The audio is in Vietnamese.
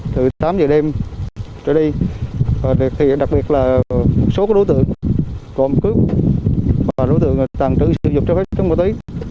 từ tám giờ đêm trở đi thì đặc biệt là một số đối tượng còn cướp và đối tượng tàn trữ sử dụng trái phép chất nguồn tí